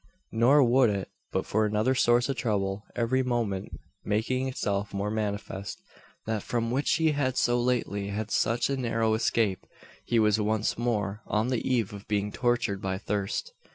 Nor would it, but for another source of trouble, every moment making itself more manifest that from which he had so lately had such a narrow escape. He was once more on the eve of being tortured by thirst.